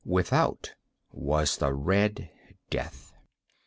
Without was the "Red Death."